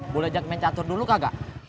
boleh ajak mencatur dulu kakak